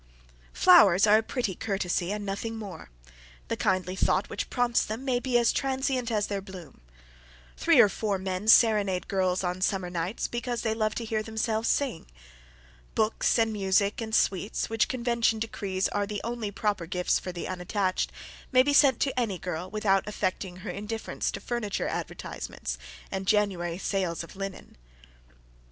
Flowers are a pretty courtesy and nothing more. The kindly thought which prompts them may be as transient as their bloom. Three or four men serenade girls on summer nights because they love to hear themselves sing. Books, and music, and sweets, which convention decrees are the only proper gifts for the unattached, may be sent to any girl, without affecting her indifference to furniture advertisements and January sales of linen.